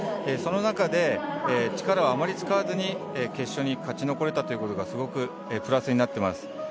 その中で、力をあまり使わずに決勝に勝ち残れたということがすごくプラスになってます。